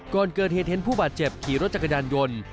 ก่อนเกิดเหตุเห็นผู้บาดเจ็บขี่รถจักรยานยนต์